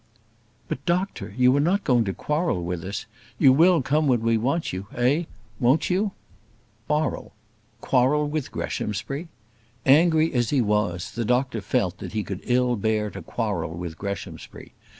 "But, doctor, you are not going to quarrel with us? You will come when we want you; eh! won't you?" Quarrel! quarrel with Greshamsbury! Angry as he was, the doctor felt that he could ill bear to quarrel with Greshamsbury.